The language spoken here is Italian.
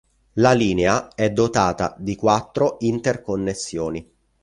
La linea è dotata di quattro interconnessioni.